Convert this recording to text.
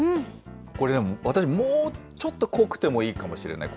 これでも私、もうちょっと濃くてもいいかもしれない。